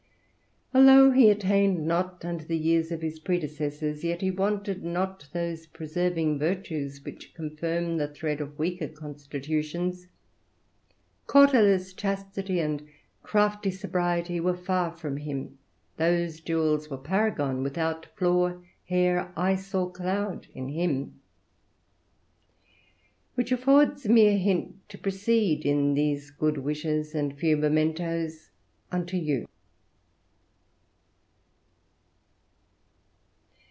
Although he attained not unto the years of his predecessors, yet he wanted not those preserving virtues which confirm the thread of weaker constitutions. Cautelous chastity and crafty sobriety were far from him; those jewels were paragon, without flaw, hair, ice, or cloud in him: which affords me a hint to proceed in these good wishes and few mementos unto you.